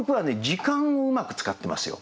時間をうまく使ってますよ。